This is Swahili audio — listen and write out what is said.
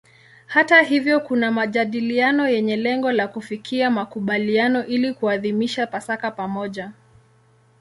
Hata hivyo kuna majadiliano yenye lengo la kufikia makubaliano ili kuadhimisha Pasaka pamoja.